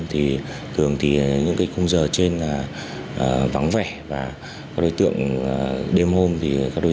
tới thường thì những cái khung giờ trên là vắng vẻ và đối tượng đêm hôm thì các đối